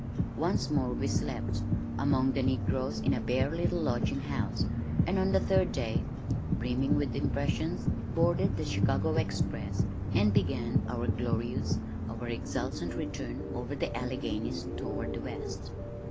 Once more we slept (among the negroes in a bare little lodging house), and on the third day, brimming with impressions, boarded the Chicago express and began our glorious, our exultant return over the Alleghanies, toward the west.